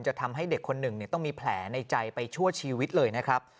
ทำให้เด็กคนหนึ่งต้องมีแผลในใจไปชั่วชีวิตเลยนะครับ